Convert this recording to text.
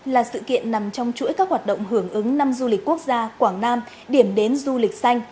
là sự kiện nằm trong chuỗi các hoạt động hưởng ứng năm du lịch quốc gia quảng nam điểm đến du lịch xanh